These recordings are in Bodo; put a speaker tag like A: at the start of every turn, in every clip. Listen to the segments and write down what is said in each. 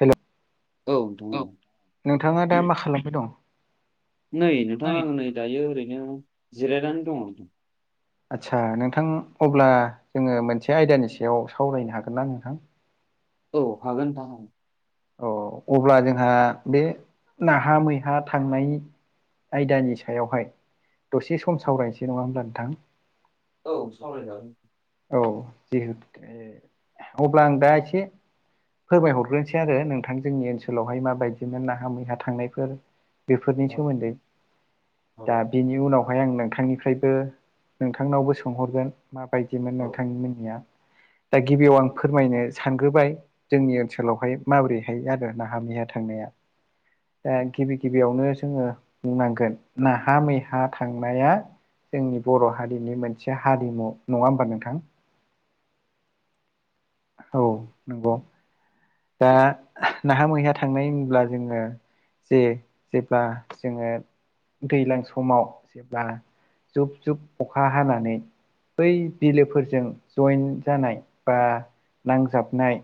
A: हेलौ औ नोंथाङा दा मा खालामबाय दं?
B: नै नोंथां आङो नै दायो ओरैनो जिरायनानै दङ नोंथां
A: आदसा नोंथां अब्ला जोङो मोनसे आयदानि सायाव सावरायनो हागोन ना नोंथां।
B: औ हागोन थां हागोन।
A: औ अब्ला जोंहा बे नाहा मैहा थांनाय। आयदानि सायाव हाय दसे सम सावरायनोसै नङा होमब्ला नोंथां।
B: औ सावराय जागोन।
A: औ जिहे अब्ला आं दा एसे फोरमायहरग्रोनोसै आरो नोंथां जोंनि ओनसोलाव हाय माबायदिमोन नाहा मैहा थांनायफोर। बेफोरनि
B: औ
A: सोमोन्दै
B: औ
A: दा बिनि बे उनाव हाय आं नोंथांनिफ्रायबो नोंथांनावबो सोंहरगोन मा बायद दिमोन
B: औ
A: नोंथांनि मोननिया दा गिबियाव आं फोरमायनो सानग्रोबाय। जोंनि ओनसोलाव हाय माबोरैहाय आरो नाहाम मैहा थांनाया। दा गिबि गिबियावनो जोङो बुंनांगोन नाहा मैहा थांनाया जोंनि बर' हारिनि मोनसे हारिमु नङा होमबा नोंथां। औ नंगौ दा नाहा मैहा थांनाय होनब्ला जोङो। जे जेब्ला जोङो दैलां समाव जेब्ला जुब जुब अखा हानानै बै बिलोफोरजों जइेन जानाय बा नांजाबनाय।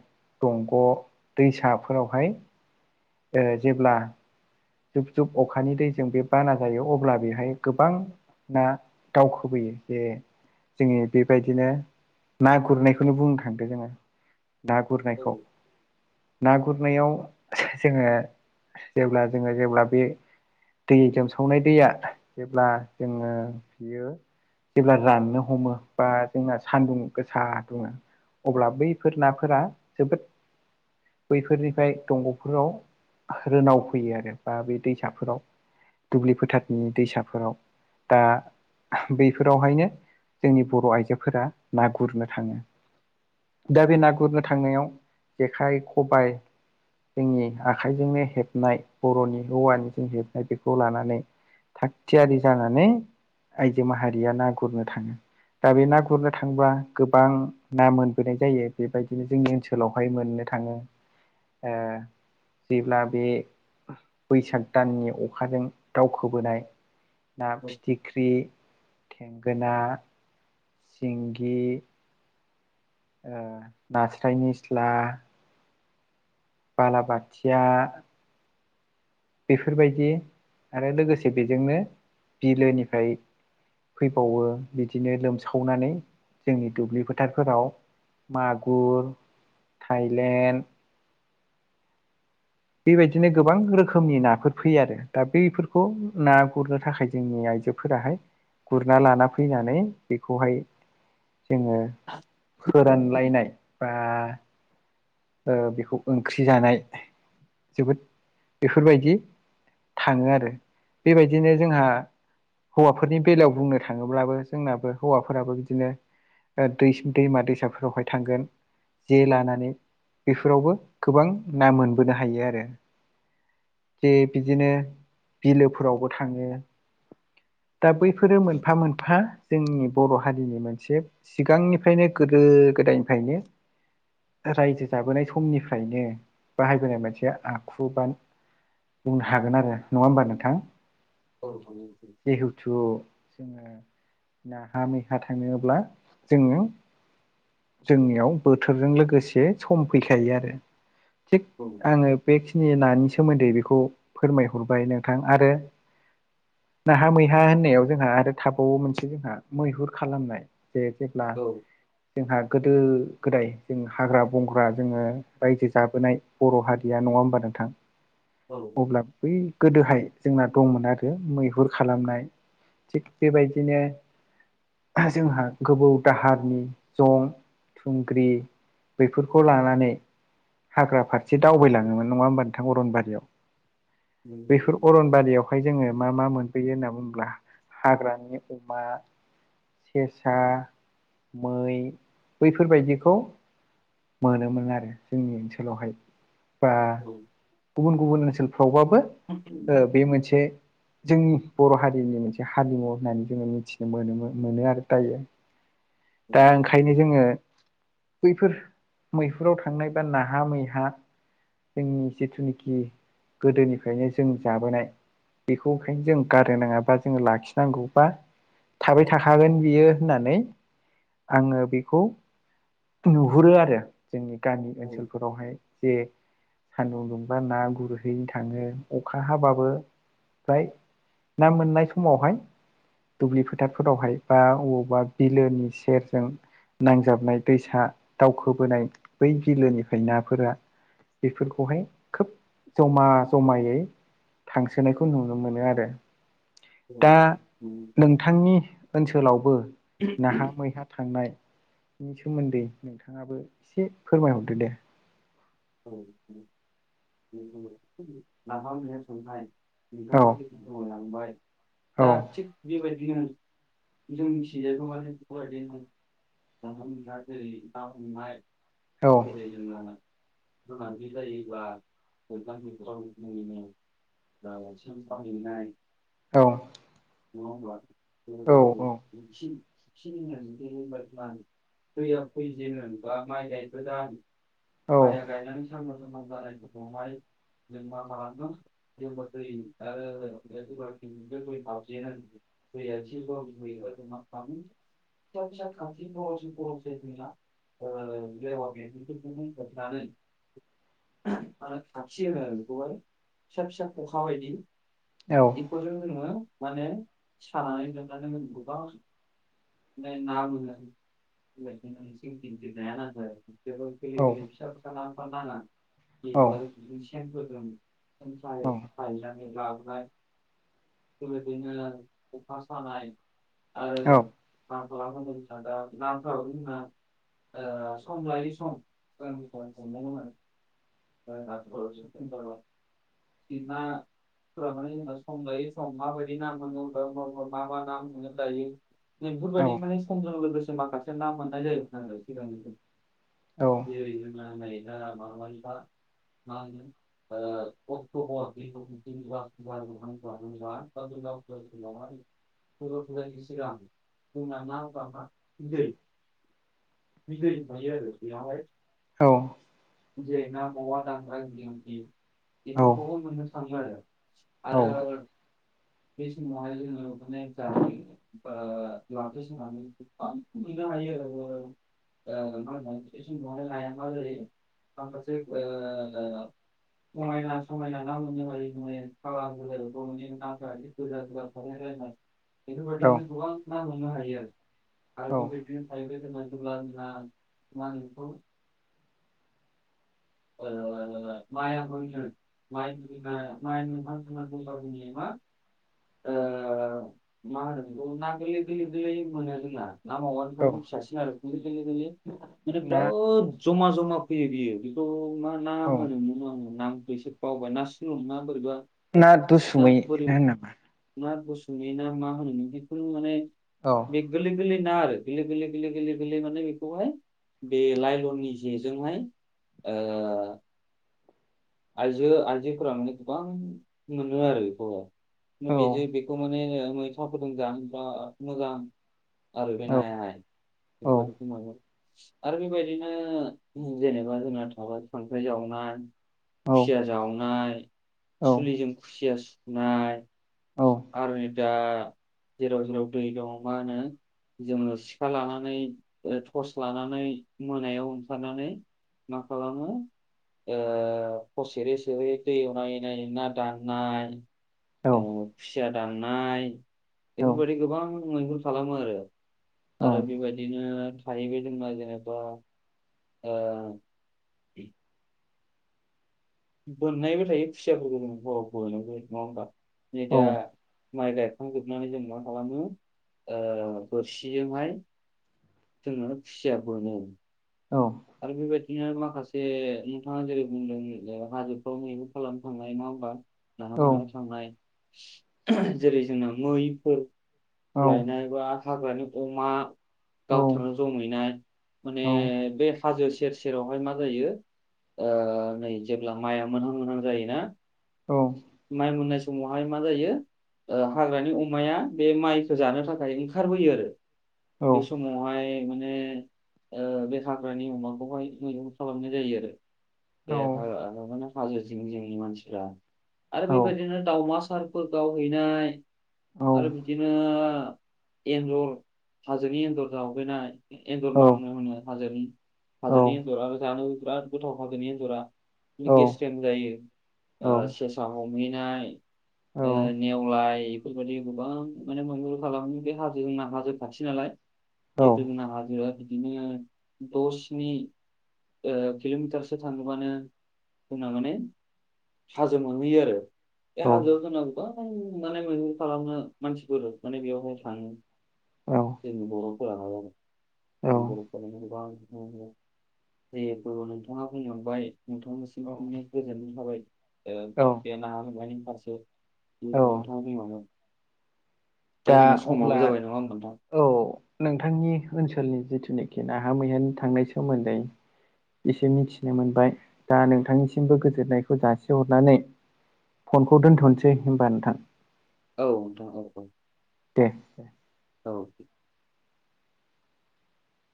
A: दंग' दैसाफोराव हाय‌। ओ जेब्ला जुब जुब अखानि दैजों बे बाना जायो अब्ला बेहाय गोबां ना दावखोबोयो जे जोंनि बेबायदिनो ना गुरनायखौनो बुंनो थांदो जोङो। ना
B: औ
A: गुरनायखौ ना गुरनायाव जोङो जेब्ला जोङो जेब्ला बे दै जोमसावनाय दैया जेब्ला जोङो बियो। जेब्ला राननो हमो बा जोंना सान्दुं गोसा दुङो। अब्ला बैफोर नाफोरा जोबोद बैफोरनिफ्राय दंग'फोराव रोनाव फैयो आरो बा बे दैसाफोराव दुब्लि फोथारनि दैसाफोराव। दा बैफोराव हाय नो जोंनि बर' आइजोफोरा ना गुरनो थाङो। दा बे ना गुरनो थांनायाव जेखाइ खबायाइ जोंनि आखाइजोंनो हेबनाय बर'नि हौवानिजों हेबनाय बेखौ लानानै थागथियारि जानानै आइजो माहारिया ना गुरनो थाङो। दा बे ना गुरनो थांबा गोबां। ना मोनबोनाय जायो बेबायदिनो जोंनि ओनसोलाव हाय मोननो थाङो। ओ जेब्ला बे बैसाग दाननि अखाजों दावखोबोनाय ना
B: औ
A: फिथिख ख्रि थेंगोना सिंगि ओ नास्राय निस्ला बालाबाथिया बेफोरबायदि आरो लोगोसे बेजोंनो बिलोनिफ्राय फैबावो बिदिनो लोमसावनानै जोंनि दुब्लि फोथारफोराव मागुर थाइलेण्ड बेबायदिनो गोबां रोखोमनि नाफोर फैयो आरो दा बैफोरखौ ना गुरनो थाखाय जोंनि आइजो फोराहाय गुरना लाना फैनानै बेखौ हाय। जोङो फोरानलायनाय बा ओ बेखौ ओंख्रि जानाय जोबोद बेफोरबायदि। थाङो आरो बेबायदिनो जोंहा हौवाफोरनि बेलायाव बुंनो थाङोब्लाबो जोंनाबो हौवाफोराबो बिदिनो दै दैमा दैसाफोरावहाय थांगोन जे लानानै बेफोरावबो गोबां ना मोनबोनो हायो आरो जे बिदिनो बिलोफोरावबो थाङो दा बैफोरो मोनफा मोनफा जोंनि बर' हारिनि मोनसे सिगांनिफ्रायनो गोदो गोदायनिफ्रायनो रायजो जाबोनाय समनिफ्रायनो बाहायबोनाय मोनसे आखु बा बुंनो हागोन आरो नङा होमबा नोंथां
B: औ
A: जिहेथु जोङो नाहा मैहा थाङनो्ला जोङो जोंनियाव बोथोरजों लोगोसे सम फैखायो आरो थिग
B: औ [inaudible]
A: आङो बेखिनि नानि सोमोन्दै बेखौ फोरमायहरबाय नोंथां आरो नाहा मैहा होननायाव जोंहा आरो थाबावो मोनसे जोंहा मैहुर खालामनाय जे जेब्ला
B: औ
A: जोंहा गोदो गोदाय जों हाग्रा बुंंग्रा जोङो रायजो जाबोनाय बर' हारिया नङा होमबा नोंथां
B: औ
A: अब्ला बै गोदोहाय जोंना दंमोन आरो मैहुर खालामनाय थिग बेबायदिनो जोंहा गोबौ दाहारनि जं थुंग्रि बेफोरखौ लानानै हाग्रा फारसे दावबायलाङोमोन नङा होमबा नोंथां अरनबारियाव बैफोर अरनबारियावहाय जोङो मा मा मोन फैयो होनना बुङोब्ला हाग्रानि अमा सेसा मै बैफोरबायदिखौ मोनोमोन आरो जोंनि ओनसोलावहाय बा गुबुन गुबुन ओनसोलफ्रावबाबो बे मोनसे जोंनि बर' हारिनि मोनसे हारिमु होननानै जोङो मिथिनो मोनोम मोनो आरो दायो दा ओंखायनो जोङो बैफोर मैहुराव थांनाय बा नाहा मैहा जोंनि जिथुनिखि गोदोनिफ्रायनो जों जाबोनाय बेखौ ओंखायनो जों गारनो नाङााबा जोङ लाखिनांगौबा थाबाय थाखागोन बियो होननानै आङो बेखौ नुहुरो आरो जोंनि गामि ओनसोलफोरावहाय जे सान्दुं दुंबा ना गुरहैनो थाङो अखा हाबाबो ओमफ्राय ना मोननाय समावहाय दुब्लि फोथारफोरावहाय बा बबावबा बिलोनि सेरजों नांजाबनाय दैसा दावखोबोनाय बै बिलोनिफ्राय नाफोरा बेफोरखौहाय खोब जमा जमायै थांसोनायखौ नुनो मोनो आरो दा नोंथांनि ओनसोलावबो नाहा मैहा थांनायनि सोमोन्दै नोंथाङाबो एसे फोरमायहरदो दे
B: औ नाफामाय सोंाय
A: औ
B: नोंथांा दु लाखबायाय
A: औ
B: दा थि बेबायदिनो जों मिथिजायखौ माने फरायदों ज ज जैानि म
A: औ
B: जेरै जोंो गोनांथि जायोब्ला मोखां मखां मङैनो दायसेां बाहैनाय
A: औ
B: म
A: औ
B: ब ब [unintelligible] दैयाव फैजेोन बा माइ गायबो जाह
A: औ
B: माइया गायनानै सामां सामां जानाय दहाय जों मा मादों ज बथ बे लाि बे फस। ब फाम। [unintelligible] फिसा फिसा खाथि दस फ'स फैलाा बेनो। हमनानै मान खाथि होनो आरो बेखौब फिसा फिसा खखा बायदि।
A: औ।
B: बेफोरजों जनोङो माने सानानै दोननानै गोबां। नै ना मोनो [unintelligible] जोबो गोरलै
A: औ
B: गोरलै फिसा फिसा [unintelligible] नाङा [unintelligible] सेंफोर दं।
A: औ
B: जायो बायनानै लाबोनाय। बेबायदिनो खखा सानाय आरो
A: औ
B: जों मा खालाम नांगौ जोंना दा नाखौ जोंना ओ सम लायै सम [unintelligible] [unintelligible] बिबा। सम लायो सम माबायदि ना मोन मा मा ना मोन दायो। नै बेफोरबायदि माने समजों लोगोसे माखासे ना मोन्नाय जायो सिगांनि [unintelligible] [unintelligible] बर' थुनलायनि सिगां जोंना [unintelligible] बिदै मायो [unintelligible]
A: औ।
B: जै मावा दांग्रा गिदिर बेफोरखौबो मोननो थांला आरो। आरो सेमावहाय जोङो [unintelligible] [unintelligible] ओ मा होनो [unintelligible] [unintelligible] [unintelligible] बेफोर बायदिनो गोबां ना हमनो हायो
A: औ
B: आरो [unintelligible] [unintelligible] ओ मा होनो ना गोरलै गोरलै गोरलै मोनो रोंङला ना
A: औ
B: मावगानिफ्राय फिसासि [unintelligible] माने
A: ना
B: बिराद जमा जमा फैयो बियो बेखौ मा होन। ना
A: औ
B: होनोमोन आङो नाम बैसो बावबाय ना सल' नङा बोरैबा।
A: ना
B: ना
A: दुसुमै
B: बोरै
A: होनो नामा।
B: ना दुसुमै ना मा होनो बेफोर माने।
A: औ।
B: बे गोरलै गोरलै ना आरो गोरलै गोरलै गोरलै गोरलै माने बेखौहाय। बे लाइलननि जेजोंहाय ओ आइजो आइजोफोरा गोबां मोनो आरो बेखौ
A: औ
B: बेजों बेखौ माने मैथाफोरजों जानो बिराद मोजां। आरो बि
A: औ
B: नायाहाय
A: औ
B: बिफोर बायदिखौ मोननो आरो बेबायदिनो जेनेबा जोंना थाबा खांख्राइ जावनाय।
A: औ
B: खुसिया जावनाय सुलिजों खुसिया सुनाय। आरो नै दा जेराव जेराव दै दं मा होनो। जोङो सिखा लानानै टर्स लानानै मोनायाव ओंखारनानै। मा खालामो ओ सेेरै सेरै दैयाव नायै नायै ना दांनाय। खुसिया दाननाय बेफोरबायदि गोबां मैहर खालामो आरो। आरो बेबायदिनो थायो जोंबा जेनबा। ओ बोननायबो थायो खुसियाफोरखौबो हराव बोनोबो नङा होनबा, [unintelligible]
A: औ
B: दा
A: औ
B: माइ गायखांजोबनानै जों मा खालामो ओ बोरसिजोंहाय जोङो फिसियार बो होनो।
A: औ।
B: आरो बेबायदिनो माखासे नोंथाङा जेरै बुंदों जे हाजोफ्राव मैहुर खालामनो थांनाय ना होमबा
A: औ
B: नाहा मायाव थांनाय जेरै जोंना मैफोर लायनाय, हा हाग्रानि अमा गावथारनो जमैनाय माने बेस हाजो सेर सेरावहाय मा जायो नै जेब्ला माइआ मोनहां मोनहां जायोना,
A: औ
B: माइ मोननाय समावहाय मा जायो ओ हाग्रानि अमाया बे माइखो जानो थाखाय ओंखारबोयो आरो [unintelligible] समावहाय माने ओ बे हाग्रानि अमाखौहाय मैगं खालामनाय जायो आरो। [unintelligible] मानसिफ्रा आरो बेबायदिनो दावमा सारफोर गावहैनाय
A: औ
B: आरो बिदिनो एन्जर हाजोनि एन्जर जावहैनाय ए एन्जर मामु होनो हाजोनि हाजोनि एन्जर आरो [unintelligible] बिराद गोथाव खा एन्जरा गेस्रेम जायो ओ सेस सा हमैनाय ओ नेवलाय इफोरबायदि गोबां माने मैहुर खालामो बे हाजो [unintelligible] जिहेतु जोंना हाजिरा बिदिनो दसनि ओ किल'मिटारसो थाङोबानो जोंना माने हाजो [unintelligible] आरो [unintelligible] हाजोआव जोंनाव गोबां माने [unintelligible] खालामनो मानसिफोर माने बेयावहाय थाङो जोंनि बर'फो [unintelligible]
A: औ
B: [unintelligible]
A: औ
B: ओ
A: औ
B: [unintelligible] दा जोंना समावबो जाबाय नङा होमबा नोंथां।
A: औ नोंथांनि ओनसोलनि जिथुनेखि नाहा मैयानि थांनाय सोमोन्दै एसे मिथिनो मोनबाय दा नोंथांनिसिमबो गोजोननायखौ जासिहरनानै फनखौ दोनथ'निसै होमबा नोंथां।
B: औ नोंथां औ औ।
A: दे दे।
B: औे।